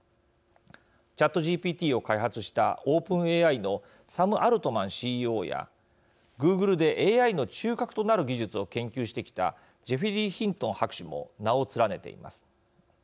ＣｈａｔＧＰＴを開発したオープンＡＩのサム・アルトマンＣＥＯやグーグルでＡＩの中核となる技術を研究してきたジェフリー・ヒントン博士も名を連ねています。